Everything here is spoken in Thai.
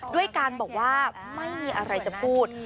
ด้วยการบอกว่าไม่มีอะไรจะพูด